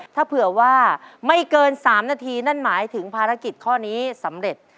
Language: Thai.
ถ้าเผื่อว่าไม่เกิน๓นาทีนั่นหมายถึงภารกิจข้อนี้สำเร็จ